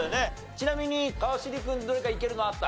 ちなみに川尻君どれかいけるのあった？